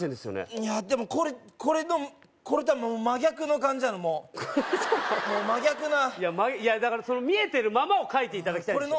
いやでもこれこれとは真逆の感じなのもうこれとまもう真逆なだから見えてるままを描いていただきたいんですよ